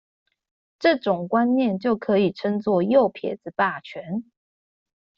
這種觀念就可以稱作「右撇子霸權」